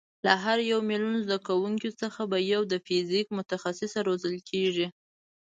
له هر میلیون زده کوونکیو څخه به یو د فیزیک متخصصه روزل کېږي.